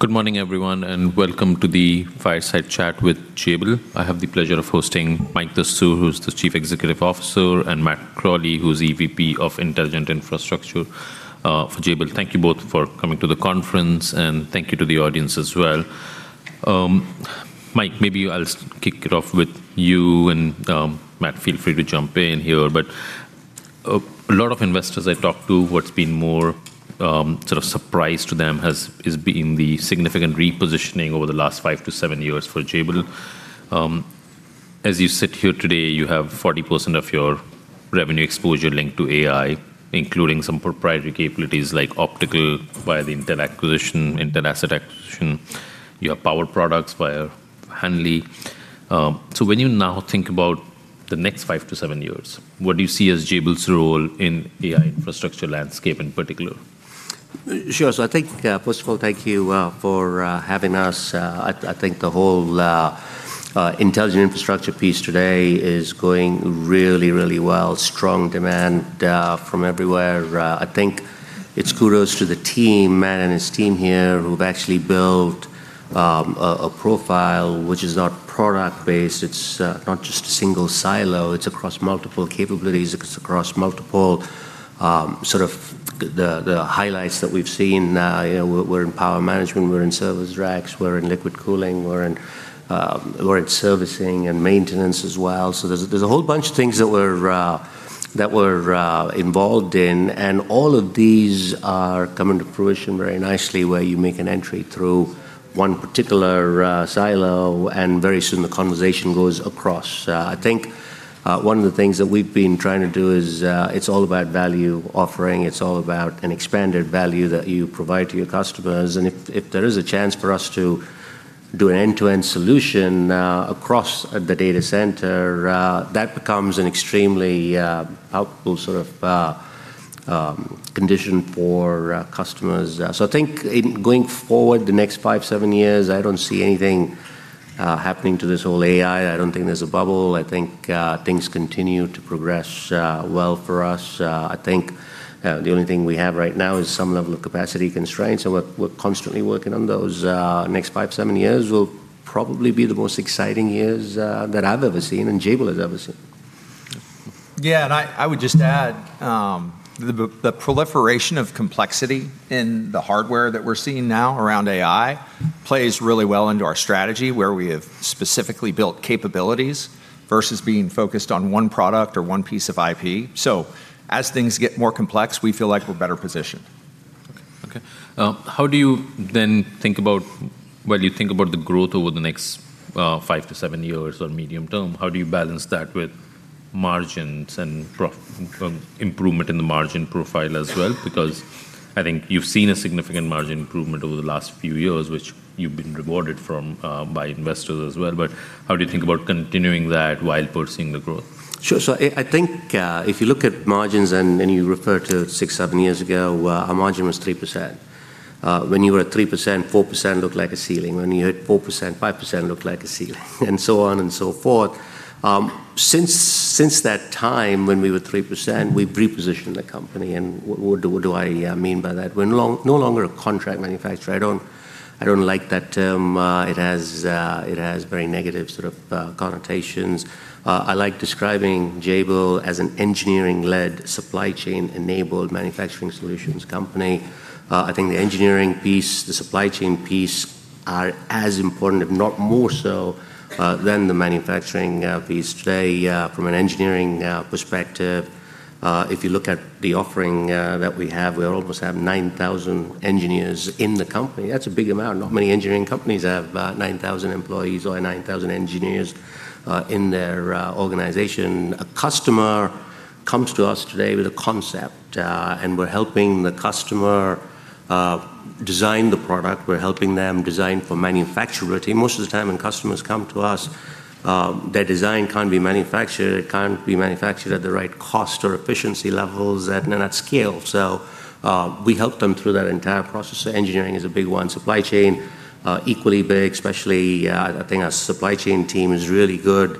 Good morning, everyone, and welcome to the fireside chat with Jabil. I have the pleasure of hosting Mike Dastoor, who's the Chief Executive Officer, and Matt Crowley, who's EVP of Intelligent Infrastructure for Jabil. Thank you both for coming to the conference, and thank you to the audience as well. Mike, maybe I'll kick it off with you and Matt, feel free to jump in here. A lot of investors I talk to, what's been more sort of surprise to them has been the significant repositioning over the last five to seven years for Jabil. As you sit here today, you have 40% of your revenue exposure linked to AI, including some proprietary capabilities like optical via the Intel acquisition, Intel asset acquisition. You have power products via Hanley. When you now think about the next five to seven years, what do you see as Jabil's role in AI infrastructure landscape in particular? Sure. I think, first of all, thank you for having us. I think the whole Intelligent Infrastructure piece today is going really, really well. Strong demand from everywhere. I think it's kudos to the team, Matt and his team here, who've actually built a profile which is not product-based. It's not just a single silo. It's across multiple capabilities. It's across multiple sort of the highlights that we've seen. You know, we're in power management, we're in service racks, we're in liquid cooling, we're in servicing and maintenance as well. There's a whole bunch of things that we're involved in, and all of these are coming to fruition very nicely where you make an entry through one particular silo, and very soon the conversation goes across. I think one of the things that we've been trying to do is, it's all about value offering. It's all about an expanded value that you provide to your customers. If there is a chance for us to do an end-to-end solution across the data center, that becomes an extremely helpful sort of condition for customers. I think in going forward the next five, seven years, I don't see anything happening to this whole AI. I don't think there's a bubble. I think things continue to progress well for us. I think, the only thing we have right now is some level of capacity constraints, and we're constantly working on those. Next five, seven years will probably be the most exciting years, that I've ever seen and Jabil has ever seen. Yeah. Yeah, I would just add, the proliferation of complexity in the hardware that we're seeing now around AI plays really well into our strategy, where we have specifically built capabilities versus being focused on one product or one piece of IP. As things get more complex, we feel like we're better positioned. Okay. Okay. How do you think about, when you think about the growth over the next five to seven years or medium term, how do you balance that with margins and improvement in the margin profile as well? I think you've seen a significant margin improvement over the last few years, which you've been rewarded from by investors as well. How do you think about continuing that while pursuing the growth? Sure. I think, if you look at margins and you refer to six, seven years ago, our margin was 3%. When you are at 3%, 4% looked like a ceiling. When you're at 4%, 5% looked like a ceiling, and so on and so forth. Since that time when we were 3%, we've repositioned the company. What do I mean by that? We're no longer a contract manufacturer. I don't like that term. It has very negative sort of connotations. I like describing Jabil as an engineering-led, supply chain-enabled manufacturing solutions company. I think the engineering piece, the supply chain piece are as important, if not more so, than the manufacturing piece. Today, from an engineering perspective, if you look at the offering that we have, we almost have 9,000 engineers in the company. That's a big amount. Not many engineering companies have 9,000 employees or 9,000 engineers in their organization. A customer comes to us today with a concept, we're helping the customer design the product. We're helping them design for manufacturability. Most of the time when customers come to us, their design can't be manufactured. It can't be manufactured at the right cost or efficiency levels at scale. We help them through that entire process. Engineering is a big one. Supply chain, equally big, especially, I think our supply chain team is really good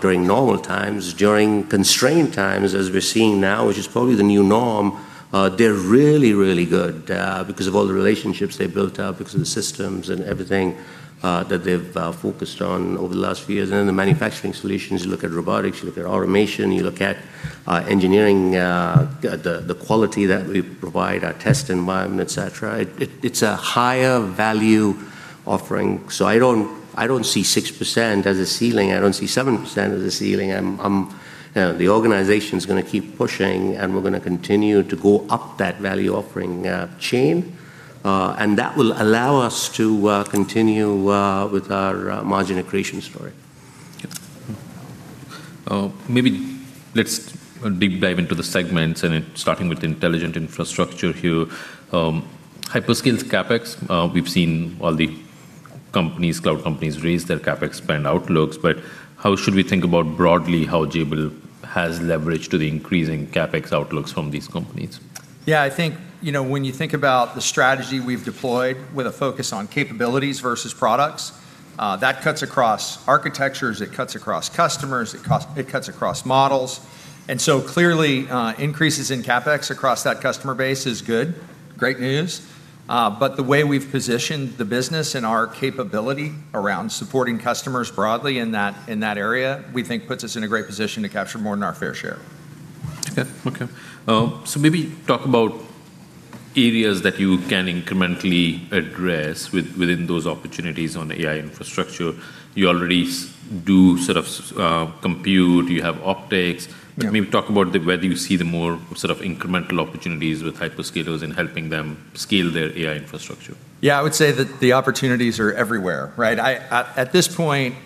during normal times. During constrained times, as we're seeing now, which is probably the new norm, they're really, really good, because of all the relationships they built up, because of the systems and everything, that they've focused on over the last few years. The manufacturing solutions, you look at robotics, you look at automation, you look at engineering, the quality that we provide, our test environment, et cetera. It's a higher value offering. I don't, I don't see 6% as a ceiling. I don't see 7% as a ceiling. You know, the organization's gonna keep pushing, and we're gonna continue to go up that value offering chain. That will allow us to continue with our margin accretion story. maybe let's deep dive into the segments and then starting with Intelligent Infrastructure here. hyperscales CapEx, we've seen all the companies, cloud companies raise their CapEx spend outlooks. How should we think about broadly how Jabil has leverage to the increasing CapEx outlooks from these companies? Yeah, I think, you know, when you think about the strategy we've deployed with a focus on capabilities versus products. That cuts across architectures, it cuts across customers, it cuts across models. Clearly, increases in CapEx across that customer base is good, great news. The way we've positioned the business and our capability around supporting customers broadly in that area, we think puts us in a great position to capture more than our fair share. Yeah. Okay. Maybe talk about areas that you can incrementally address within those opportunities on AI infrastructure. You already do sort of compute, you have optics. Yeah. Maybe talk about whether you see the more sort of incremental opportunities with hyperscalers and helping them scale their AI infrastructure. I would say that the opportunities are everywhere, right? At this point,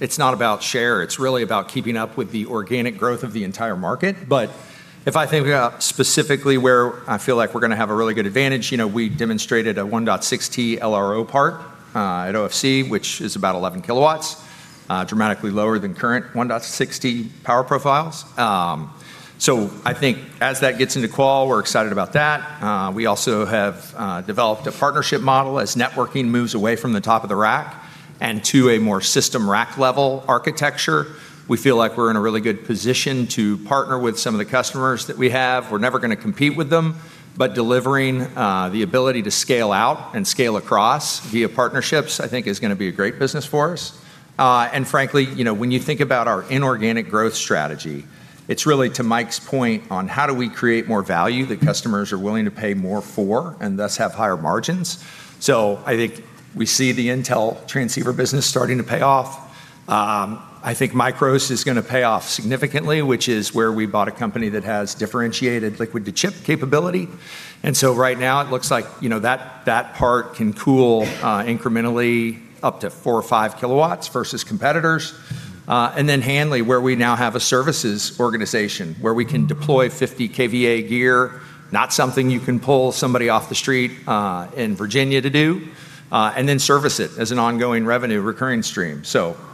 it's not about share, it's really about keeping up with the organic growth of the entire market. If I think about specifically where I feel like we're gonna have a really good advantage, you know, we demonstrated a 1.6T LRO part at OFC, which is about 11 kilowatts, dramatically lower than current 1.6T power profiles. I think as that gets into qual, we're excited about that. We also have developed a partnership model as networking moves away from the top of the rack and to a more system rack level architecture. We feel like we're in a really good position to partner with some of the customers that we have. We're never gonna compete with them, but delivering the ability to scale out and scale across via partnerships, I think is gonna be a great business for us. Frankly, you know, when you think about our inorganic growth strategy, it's really to Mike's point on how do we create more value that customers are willing to pay more for and thus have higher margins. I think we see the Intel transceiver business starting to pay off. I think Mikros is gonna pay off significantly, which is where we bought a company that has differentiated liquid to chip capability. Right now it looks like, you know, that part can cool incrementally up to 4 or 5 kW versus competitors. Hanley, where we now have a services organization where we can deploy 50 kVA gear. Not something you can pull somebody off the street, in Virginia to do, and then service it as an ongoing revenue recurring stream.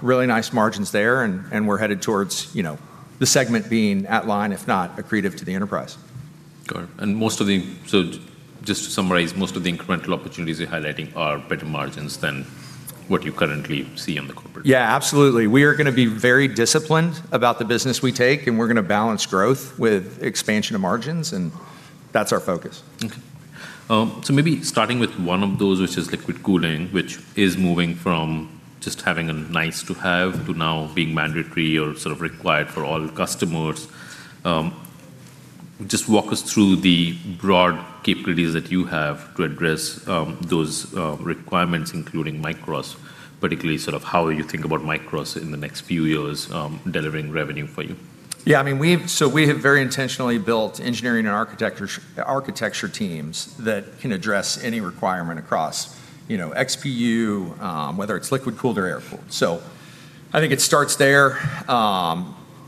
Really nice margins there and we're headed towards, you know, the segment being at line, if not accretive to the enterprise. Got it. Just to summarize, most of the incremental opportunities you're highlighting are better margins than what you currently see on the corporate. Yeah, absolutely. We are gonna be very disciplined about the business we take, and we're gonna balance growth with expansion of margins, and that's our focus. Okay. Maybe starting with one of those, which is liquid cooling, which is moving from just having a nice to have to now being mandatory or sort of required for all customers. Walk us through the broad capabilities that you have to address those requirements, including Mikros, particularly sort of how you think about Mikros in the next few years, delivering revenue for you. I mean, we have very intentionally built engineering and architecture teams that can address any requirement across, you know, XPU, whether it's liquid cooled or air cooled. I think it starts there.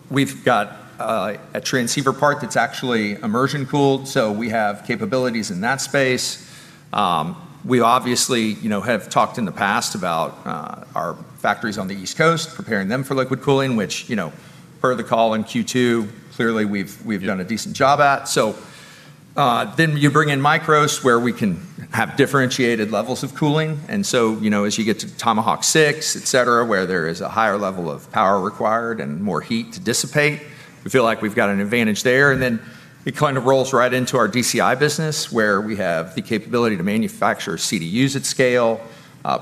We've got a transceiver part that's actually immersion cooled, we have capabilities in that space. We obviously, you know, have talked in the past about our factories on the East Coast, preparing them for liquid cooling, which, you know, per the call in Q2, clearly we've done a decent job at. You bring in Mikros where we can have differentiated levels of cooling. You know, as you get to Tomahawk 6, et cetera, where there is a higher level of power required and more heat to dissipate, we feel like we've got an advantage there. It kind of rolls right into our DCI business, where we have the capability to manufacture CDUs at scale,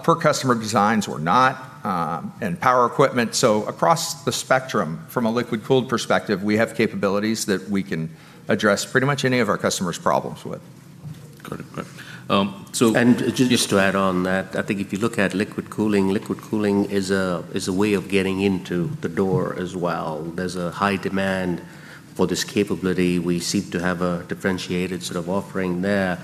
per customer designs or not, and power equipment. Across the spectrum, from a liquid cooled perspective, we have capabilities that we can address pretty much any of our customers' problems with. Got it. Got it. Just to add on that, I think if you look at liquid cooling, liquid cooling is a way of getting into the door as well. There's a high demand for this capability. We seek to have a differentiated sort of offering there.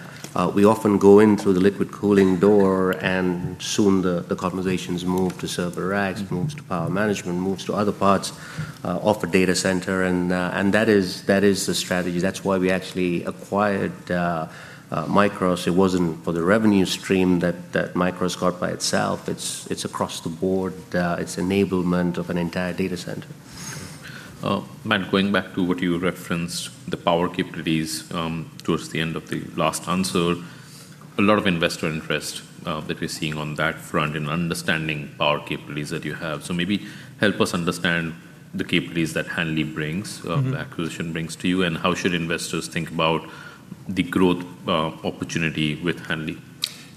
We often go in through the liquid cooling door, and soon the conversations move to server racks, moves to power management, moves to other parts of a data center. That is the strategy. That's why we actually acquired Mikros Technologies. It wasn't for the revenue stream that Mikros Technologies got by itself. It's across the board. It's enablement of an entire data center. Matt, going back to what you referenced, the power capabilities, towards the end of the last answer. A lot of investor interest that we're seeing on that front and understanding power capabilities that you have. Maybe help us understand the capabilities that Hanley brings, the acquisition brings to you, and how should investors think about the growth opportunity with Hanley?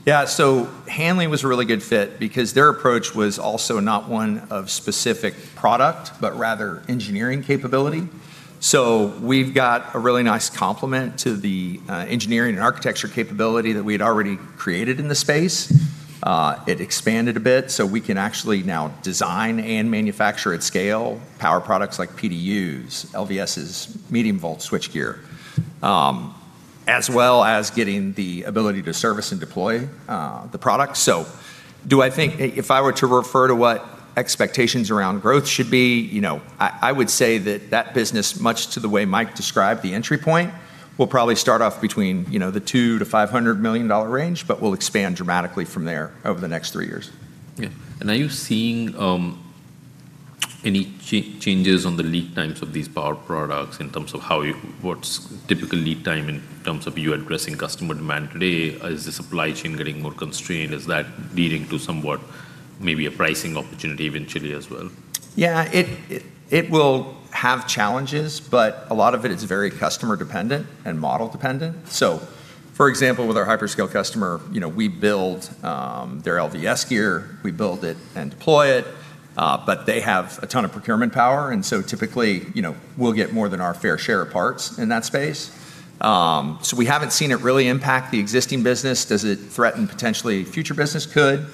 Hanley was a really good fit because their approach was also not one of specific product, but rather engineering capability. We've got a really nice complement to the engineering and architecture capability that we had already created in the space. It expanded a bit, we can actually now design and manufacture at scale power products like PDUs, LVS, medium volt switchgear, as well as getting the ability to service and deploy the product. If I were to refer to what expectations around growth should be, you know, I would say that that business, much to the way Mike described the entry point, will probably start off between, you know, the $200 million-$500 million range, but will expand dramatically from there over the next three years. Yeah. Are you seeing any changes on the lead times of these power products in terms of what's typical lead time in terms of you addressing customer demand today? Is the supply chain getting more constrained? Is that leading to somewhat maybe a pricing opportunity eventually as well? Yeah, it will have challenges, a lot of it is very customer dependent and model dependent. For example, with our hyperscale customer, you know, we build their LVS gear. We build it and deploy it, they have a ton of procurement power, typically, you know, we'll get more than our fair share of parts in that space. We haven't seen it really impact the existing business. Does it threaten potentially future business? Could.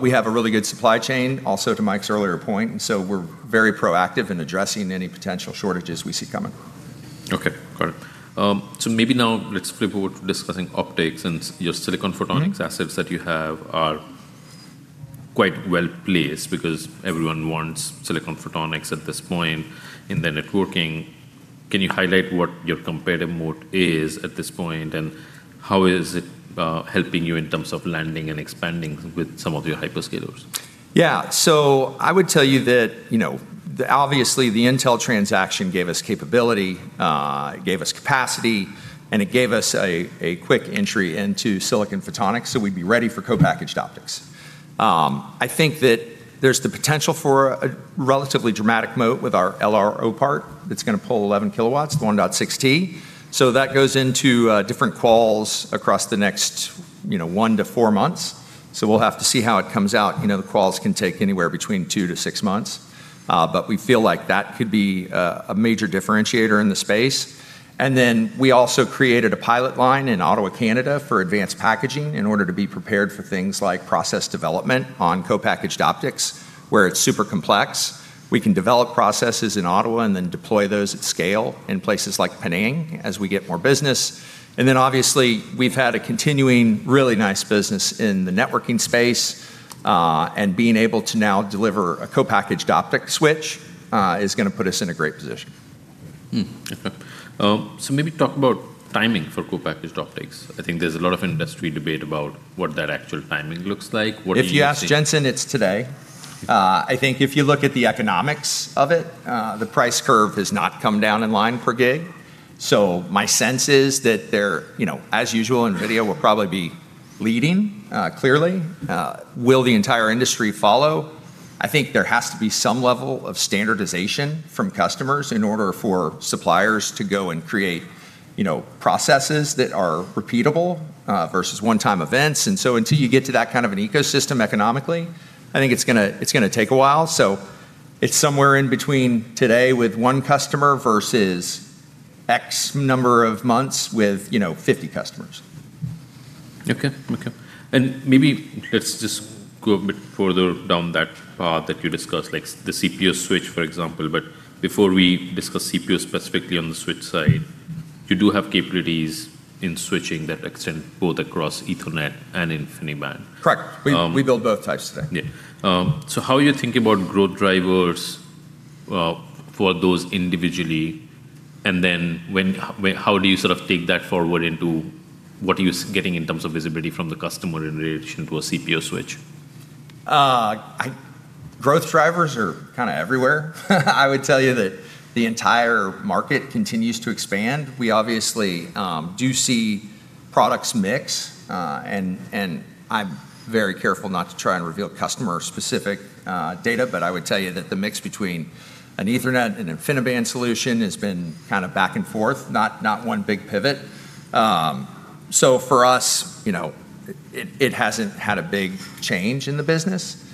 We have a really good supply chain also to Mike's earlier point, we're very proactive in addressing any potential shortages we see coming. Okay. Got it. Maybe now let's flip over to discussing optics and your silicon photonics. assets that you have are quite well-placed because everyone wants silicon photonics at this point in their networking. Can you highlight what your competitive moat is at this point, and how is it helping you in terms of landing and expanding with some of your hyperscalers? Yeah. I would tell you that, you know, obviously the Intel transaction gave us capability, it gave us capacity, and it gave us a quick entry into silicon photonics, so we'd be ready for co-packaged optics. I think that there's the potential for a relatively dramatic moat with our LRO part that's gonna pull 11 kW, the 1.6T. That goes into different quals across the next, you know, one to four months. We'll have to see how it comes out. You know, the quals can take anywhere between two to six months, we feel like that could be a major differentiator in the space. We also created a pilot line in Ottawa, Canada for advanced packaging in order to be prepared for things like process development on co-packaged optics, where it's super complex. We can develop processes in Ottawa and then deploy those at scale in places like Penang as we get more business. Obviously, we've had a continuing really nice business in the networking space, and being able to now deliver a co-packaged optic switch is going to put us in a great position. Maybe talk about timing for co-packaged optics. I think there's a lot of industry debate about what that actual timing looks like. What are you thinking- If you ask Jensen, it's today. I think if you look at the economics of it, the price curve has not come down in line per gig. My sense is that there, you know, as usual, Nvidia will probably be leading, clearly. Will the entire industry follow? I think there has to be some level of standardization from customers in order for suppliers to go and create, you know, processes that are repeatable, versus one-time events. Until you get to that kind of an ecosystem economically, I think it's gonna take a while. It's somewhere in between today with one customer versus X number of months with, you know, 50 customers. Okay. Maybe let's just go a bit further down that path that you discussed, like the CPO switch, for example. Before we discuss CPO specifically on the switch side, you do have capabilities in switching that extend both across Ethernet and InfiniBand. Correct. Um- We build both types today. Yeah. How are you thinking about growth drivers for those individually? How do you sort of take that forward into what are you getting in terms of visibility from the customer in relation to a CPO switch? Growth drivers are kind of everywhere. I would tell you that the entire market continues to expand. We obviously do see products mix, and I'm very careful not to try and reveal customer specific data, but I would tell you that the mix between an Ethernet and InfiniBand solution has been kind of back and forth, not one big pivot. For us, you know, it hasn't had a big change in the business.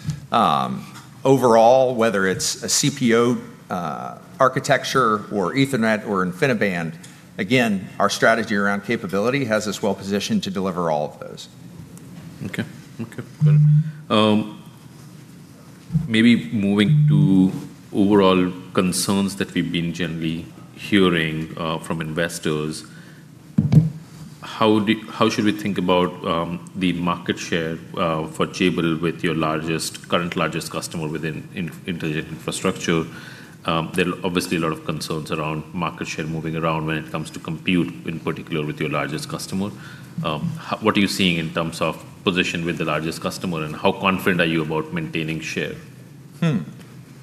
Overall, whether it's a CPO architecture or Ethernet or InfiniBand, again, our strategy around capability has us well positioned to deliver all of those. Okay. Okay. Maybe moving to overall concerns that we've been generally hearing from investors, how should we think about the market share for Jabil with your current largest customer within Intelligent Infrastructure? There are obviously a lot of concerns around market share moving around when it comes to compute, in particular with your largest customer. What are you seeing in terms of position with the largest customer, and how confident are you about maintaining share?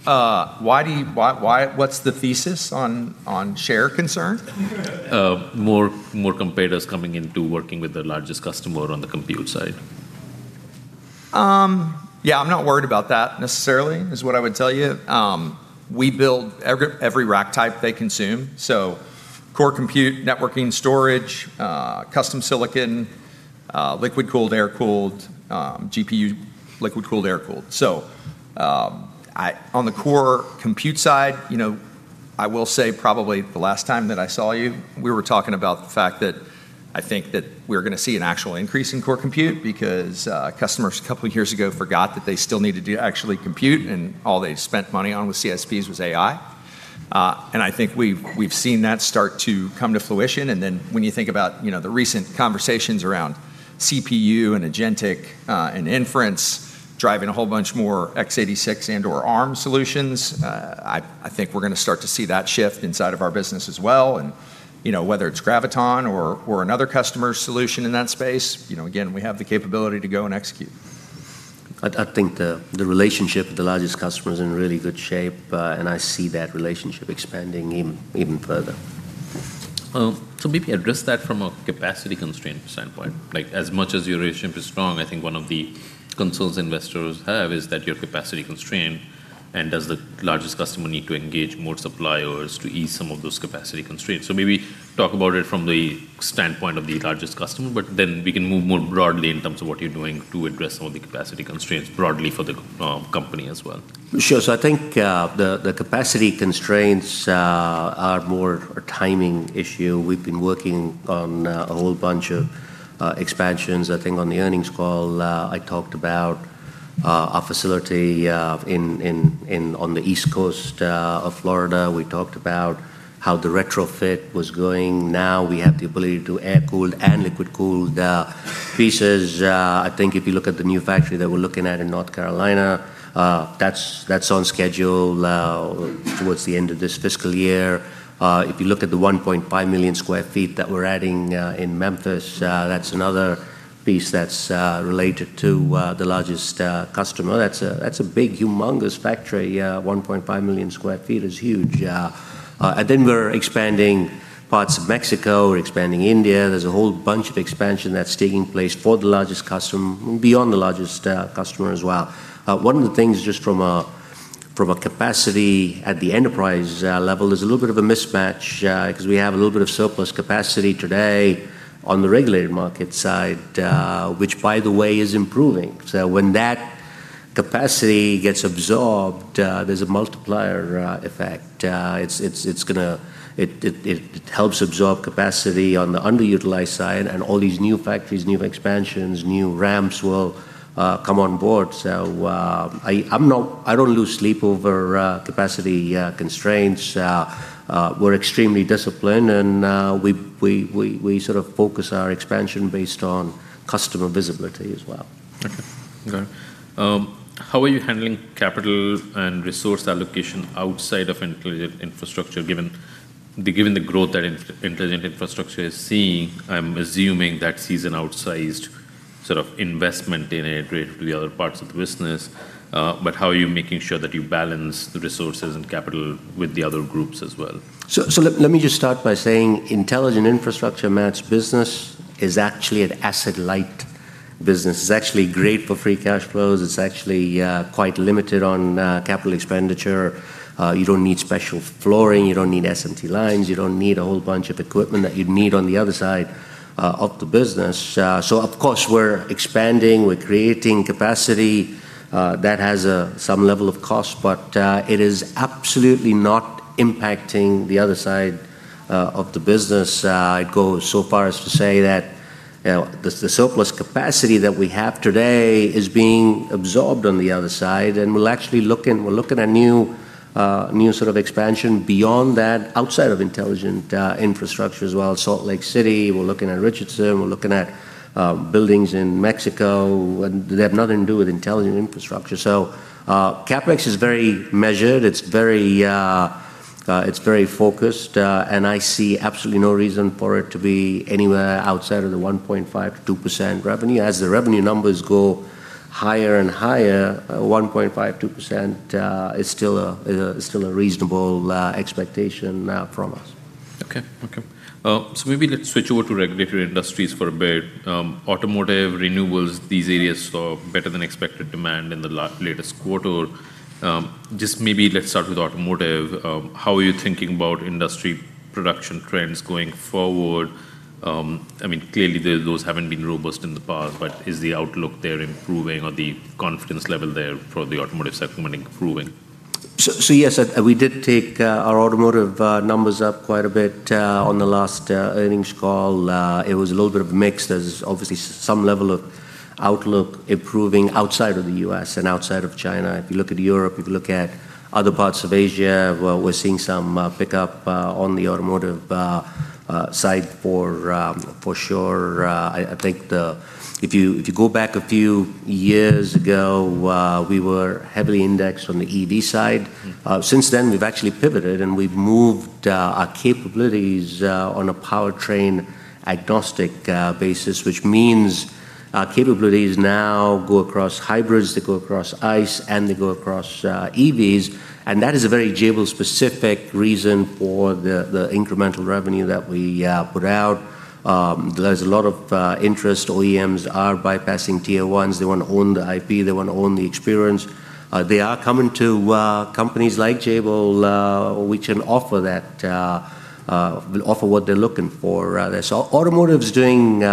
What's the thesis on share concern? More competitors coming into working with the largest customer on the compute side. Yeah, I'm not worried about that necessarily, is what I would tell you. We build every rack type they consume, so core compute, networking, storage, custom silicon, liquid cooled, air cooled, GPU liquid cooled, air cooled. On the core compute side, you know, I will say probably the last time that I saw you, we were talking about the fact that I think that we're gonna see an actual increase in core compute because customers a couple years ago forgot that they still needed to actually compute, and all they spent money on with CSPs was AI. I think we've seen that start to come to fruition. When you think about, you know, the recent conversations around CPU and agentic, and inference driving a whole bunch more x86 and/or Arm solutions, I think we're gonna start to see that shift inside of our business as well. You know, whether it's Graviton or another customer's solution in that space, you know, again, we have the capability to go and execute. I think the relationship with the largest customer is in really good shape, and I see that relationship expanding even further. Maybe address that from a capacity constraint standpoint. Like, as much as your relationship is strong, I think one of the concerns investors have is that you're capacity constrained, and does the largest customer need to engage more suppliers to ease some of those capacity constraints? Maybe talk about it from the standpoint of the largest customer, but then we can move more broadly in terms of what you're doing to address some of the capacity constraints broadly for the company as well. Sure. I think the capacity constraints are more a timing issue. We've been working on a whole bunch of expansions. I think on the earnings call, I talked about our facility in on the East Coast of Florida. We talked about how the retrofit was going. Now we have the ability to air-cooled and liquid-cooled pieces. I think if you look at the new factory that we're looking at in North Carolina, that's on schedule towards the end of this fiscal year. If you look at the 1.5 million sq ft that we're adding in Memphis, that's another piece that's related to the largest customer. That's a big, humongous factory. 1.5 million sq ft is huge. Then we're expanding parts of Mexico, we're expanding India. There's a whole bunch of expansion that's taking place for the largest customer, beyond the largest customer as well. One of the things just from a, from a capacity at the enterprise level, there's a little bit of a mismatch, 'cause we have a little bit of surplus capacity today on the regulated market side, which by the way, is improving. When that capacity gets absorbed, there's a multiplier effect. It helps absorb capacity on the underutilized side, and all these new factories, new expansions, new ramps will come on board. I don't lose sleep over capacity constraints. We're extremely disciplined, and we sort of focus our expansion based on customer visibility as well. Okay. Okay. How are you handling capital and resource allocation outside of Intelligent Infrastructure given the growth that Intelligent Infrastructure is seeing? I'm assuming that sees an outsized sort of investment in it relative to the other parts of the business. How are you making sure that you balance the resources and capital with the other groups as well? Let me just start by saying Intelligent Infrastructure, Matt's business is actually an asset light business. It's actually great for free cash flows. It's actually quite limited on capital expenditure. You don't need special flooring, you don't need SMT lines, you don't need a whole bunch of equipment that you'd need on the other side of the business. Of course we're expanding, we're creating capacity. That has some level of cost, but it is absolutely not impacting the other side of the business. I'd go so far as to say that, you know, the surplus capacity that we have today is being absorbed on the other side, and we're looking at new sort of expansion beyond that, outside of Intelligent Infrastructure as well. Salt Lake City, we're looking at Richardson, we're looking at buildings in Mexico, and they have nothing to do with Intelligent Infrastructure. CapEx is very measured, it's very focused, and I see absolutely no reason for it to be anywhere outside of the 1.5%-2% revenue. As the revenue numbers go higher and higher, 1.5%, 2%, is still a reasonable expectation from us. Okay. Okay. Maybe let's switch over to regulatory industries for a bit. Automotive, renewables, these areas saw better than expected demand in the latest quarter. Just maybe let's start with automotive. How are you thinking about industry production trends going forward? I mean, clearly the, those haven't been robust in the past, is the outlook there improving or the confidence level there for the automotive segment improving? Yes, we did take our automotive numbers up quite a bit on the last earnings call. It was a little bit of a mix. There's obviously some level of outlook improving outside of the U.S. and outside of China. If you look at Europe, if you look at other parts of Asia, well, we're seeing some pickup on the automotive side for sure. I think the If you go back a few years ago, we were heavily indexed on the EV side. Since then, we've actually pivoted and we've moved our capabilities on a powertrain agnostic basis, which means our capabilities now go across hybrids, they go across ICE, and they go across EVs, and that is a very Jabil specific reason for the incremental revenue that we put out. There's a lot of interest. OEMs are bypassing tier ones. They wanna own the IP, they wanna own the experience. They are coming to companies like Jabil which can offer what they're looking for. Automotive's doing,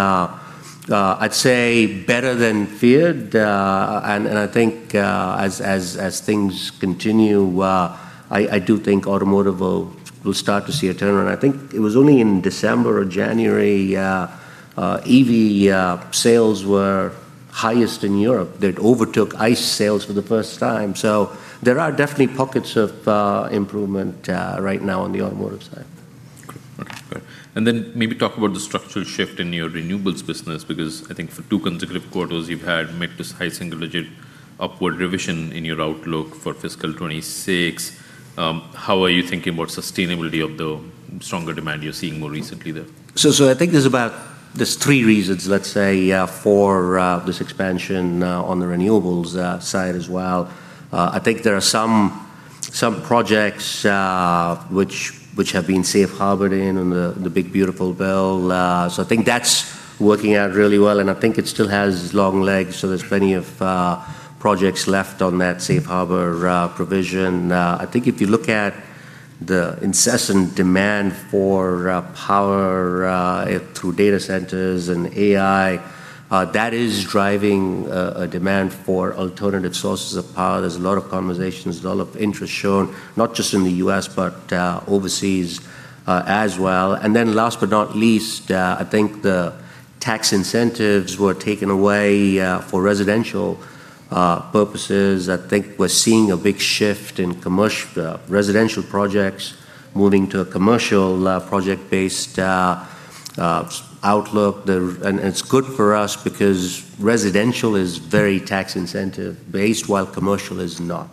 I'd say better than feared. I think as things continue, I do think automotive will start to see a turnaround. I think it was only in December or January, EV sales were highest in Europe. They'd overtook ICE sales for the first time. There are definitely pockets of improvement right now on the automotive side. Okay. Okay, great. Maybe talk about the structural shift in your renewables business, because I think for two consecutive quarters you've had mid to high single digit upward revision in your outlook for fiscal 2026. How are you thinking about sustainability of the stronger demand you're seeing more recently there? I think there's about, there's three reasons, let's say, for this expansion on the renewables side as well. I think there are some projects which have been safe harbored in the One Big Beautiful Bill. I think that's working out really well, and I think it still has long legs, so there's plenty of projects left on that safe harbor provision. I think if you look at the incessant demand for power through data centers and AI, that is driving a demand for alternative sources of power. There's a lot of conversations, there's a lot of interest shown, not just in the U.S., but overseas as well. Last but not least, I think the tax incentives were taken away for residential purposes. I think we're seeing a big shift in residential projects moving to a commercial project-based outlook. It's good for us because residential is very tax incentive-based, while commercial is not.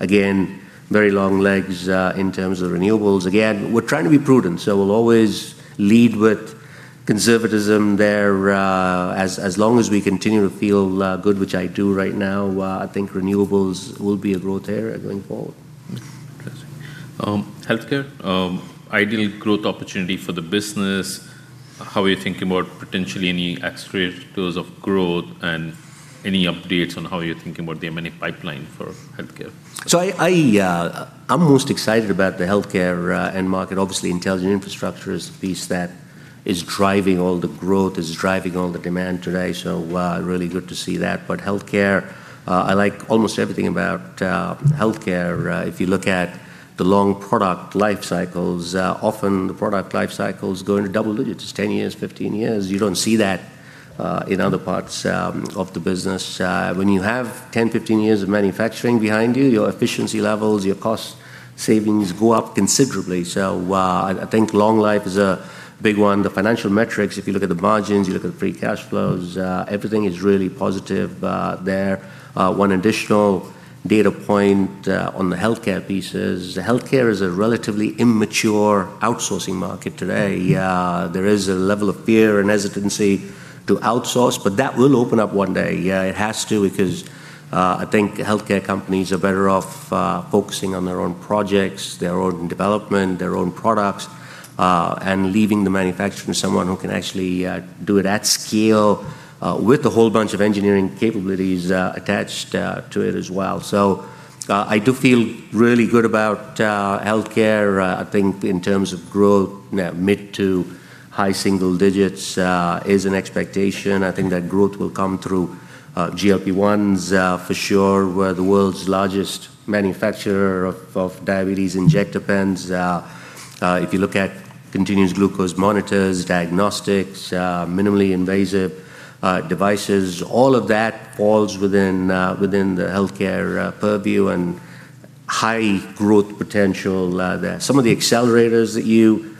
Again, very long legs in terms of renewables. We're trying to be prudent, so we'll always lead with conservatism there. As long as we continue to feel good, which I do right now, I think renewables will be a growth area going forward. Interesting. Healthcare, ideal growth opportunity for the business. How are you thinking about potentially any accelerators of growth, and any updates on how you're thinking about the M&A pipeline for healthcare? I, I'm most excited about the healthcare end market. Obviously, Intelligent Infrastructure is a piece that is driving all the growth, is driving all the demand today, so really good to see that. Healthcare, I like almost everything about healthcare. If you look at the long product life cycles, often the product life cycles go into double digits, 10 years, 15 years. You don't see that in other parts of the business. When you have 10, 15 years of manufacturing behind you, your efficiency levels, your cost savings go up considerably. I think long life is a big one. The financial metrics, if you look at the margins, you look at the free cash flows, everything is really positive there. One additional data point on the healthcare piece is healthcare is a relatively immature outsourcing market today. There is a level of fear and hesitancy to outsource, that will open up one day. It has to because, I think healthcare companies are better off focusing on their own projects, their own development, their own products, and leaving the manufacturing to someone who can actually do it at scale with a whole bunch of engineering capabilities attached to it as well. I do feel really good about healthcare. I think in terms of growth, mid to high single digits is an expectation. I think that growth will come through GLP-1s for sure. We're the world's largest manufacturer of diabetes injector pens. If you look at continuous glucose monitors, diagnostics, minimally invasive devices, all of that falls within within the healthcare purview and high growth potential there. Some of the accelerators that you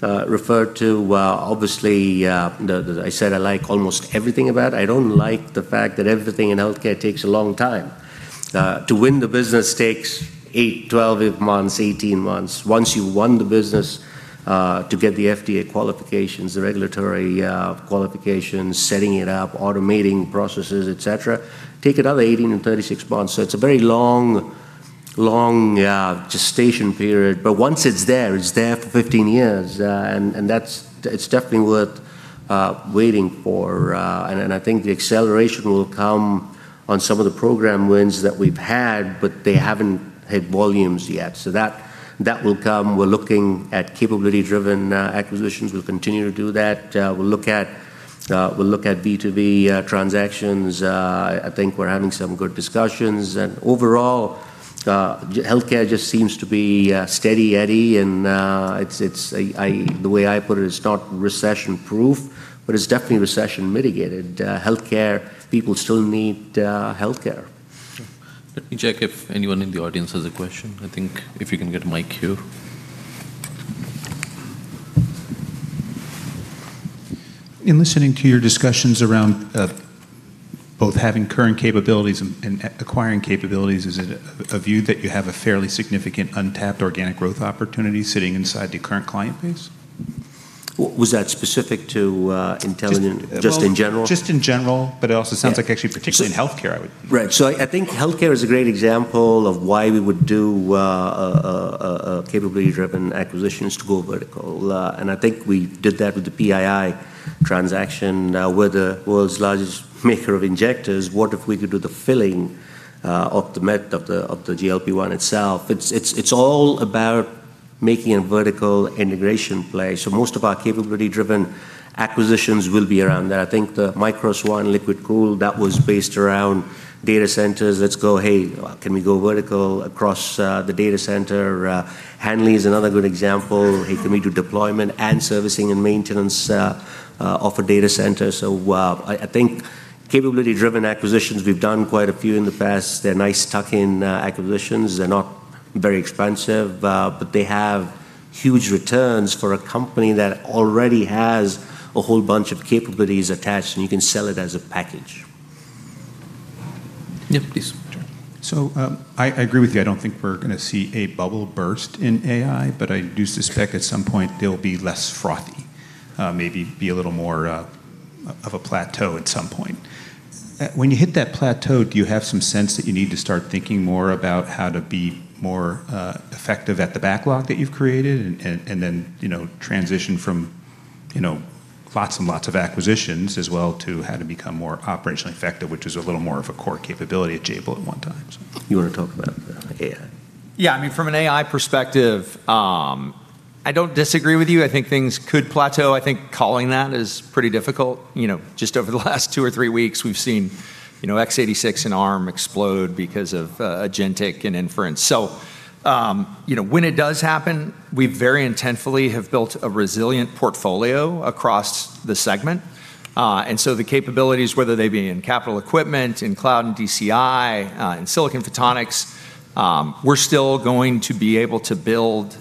referred to, obviously, I said I like almost everything about it. I don't like the fact that everything in healthcare takes a long time. To win the business takes eight, 12 months, 18 months. Once you've won the business, to get the FDA qualifications, the regulatory qualifications, setting it up, automating processes, et cetera, take another 18 and 36 months. It's a very long, long gestation period. Once it's there, it's there for 15 years. That's, it's definitely worth waiting for. I think the acceleration will come on some of the program wins that we've had, but they haven't hit volumes yet. That will come. We're looking at capability-driven acquisitions. We'll continue to do that. We'll look at B2B transactions. I think we're having some good discussions. Overall, healthcare just seems to be steady Eddie, and it's, I The way I put it's not recession-proof, but it's definitely recession-mitigated. Healthcare, people still need healthcare. Sure. Let me check if anyone in the audience has a question. I think if you can get a mic here. In listening to your discussions around, both having current capabilities and acquiring capabilities, is it a view that you have a fairly significant untapped organic growth opportunity sitting inside the current client base? Was that specific to intelligent? Just- Just in general? Just in general, but it also sounds like. Yeah actually particularly in healthcare, I would think. Right. I think healthcare is a great example of why we would do a capability-driven acquisition is to go vertical. I think we did that with the PII transaction. We're the world's largest maker of injectors. What if we could do the filling of the med, of the GLP-1 itself? It's all about making a vertical integration play. Most of our capability-driven acquisitions will be around that. I think the Mikros Technologies, that was based around data centers. Let's go, "Hey, can we go vertical across the data center?" Hanley Energy Group is another good example. "Hey, can we do deployment and servicing and maintenance of a data center?" I think capability-driven acquisitions, we've done quite a few in the past. They're nice tuck-in acquisitions. They're not very expensive, but they have huge returns for a company that already has a whole bunch of capabilities attached, and you can sell it as a package. Yeah, please. I agree with you. I don't think we're gonna see a bubble burst in AI, but I do suspect at some point they'll be less frothy, maybe be a little more of a plateau at some point. When you hit that plateau, do you have some sense that you need to start thinking more about how to be more effective at the backlog that you've created and then, you know, transition from, you know, lots of acquisitions as well to how to become more operationally effective, which is a little more of a core capability at Jabil at one time. You wanna talk about the AI? I mean, from an AI perspective, I don't disagree with you. I think things could plateau. I think calling that is pretty difficult. You know, just over the last two or three weeks we've seen, you know, x86 and Arm explode because of agentic and inference. When it does happen, we very intentfully have built a resilient portfolio across the segment. The capabilities, whether they be in capital equipment, in cloud and DCI, in silicon photonics, we're still going to be able to build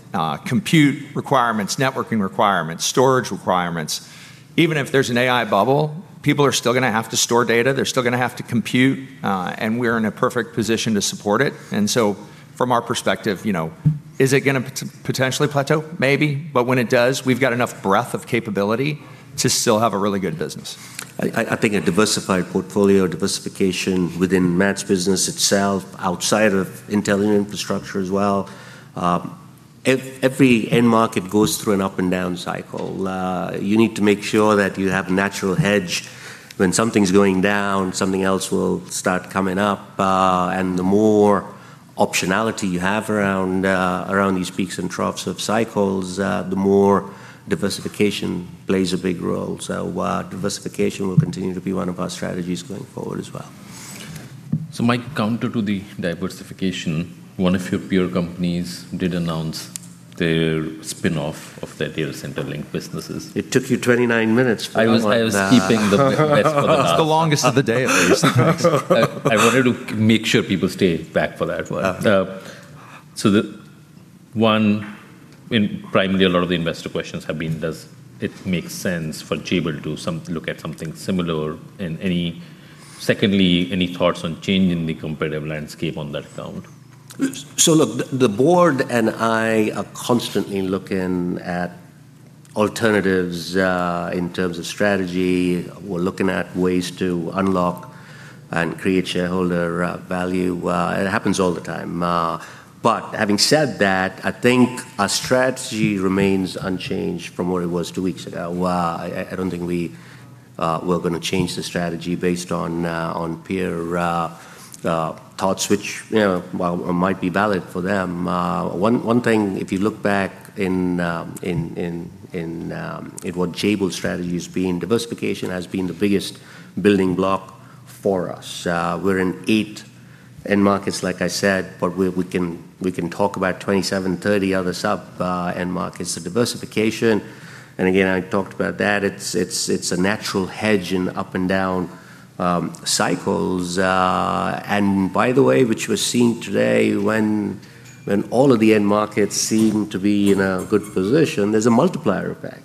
compute requirements, networking requirements, storage requirements. Even if there's an AI bubble, people are still gonna have to store data, they're still gonna have to compute, we're in a perfect position to support it. From our perspective, you know, is it gonna potentially plateau? Maybe. When it does, we've got enough breadth of capability to still have a really good business. I think a diversified portfolio, diversification within Matt's business itself, outside of Intelligent Infrastructure as well. Every end market goes through an up and down cycle. You need to make sure that you have natural hedge. When something's going down, something else will start coming up. The more optionality you have around these peaks and troughs of cycles, the more diversification plays a big role. Diversification will continue to be one of our strategies going forward as well. My counter to the diversification, one of your peer companies did announce their spinoff of their data center link businesses. It took you 29 minutes but I'm like, "Nah. I was keeping the best for the last. It's the longest of the day at least. I wanted to make sure people stay back for that one. Okay. The one in primarily a lot of the investor questions have been does it make sense for Jabil to look at something similar? Any secondly, any thoughts on changing the competitive landscape on that count? Look, the board and I are constantly looking at alternatives in terms of strategy. We're looking at ways to unlock and create shareholder value. It happens all the time. Having said that, I think our strategy remains unchanged from what it was two weeks ago. I don't think we're gonna change the strategy based on peer thoughts which, you know, well, might be valid for them. One thing if you look back in at what Jabil's strategy has been, diversification has been the biggest building block for us. We're in eight end markets, like I said, we can talk about 27, 30 other sub end markets. The diversification, and again, I talked about that, it's a natural hedge in up and down cycles. By the way, which we're seeing today when all of the end markets seem to be in a good position, there's a multiplier effect.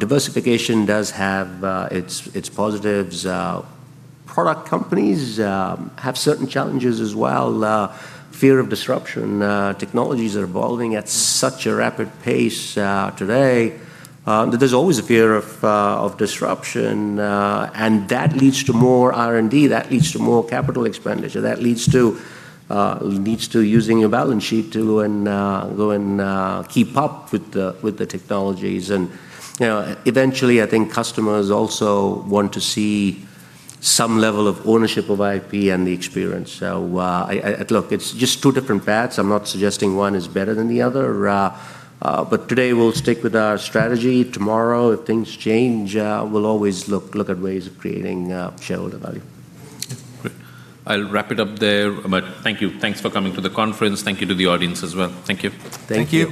Diversification does have its positives. Product companies have certain challenges as well. Fear of disruption. Technologies are evolving at such a rapid pace today that there's always a fear of disruption. That leads to more R&D, that leads to more capital expenditure, that leads to using your balance sheet to go and go and keep up with the technologies. You know, eventually I think customers also want to see some level of ownership of IP and the experience. Look, it's just two different paths. I'm not suggesting one is better than the other. Today we'll stick with our strategy. Tomorrow if things change, we'll always look at ways of creating shareholder value. Great. I'll wrap it up there. Thank you. Thanks for coming to the conference. Thank you to the audience as well. Thank you. Thank you.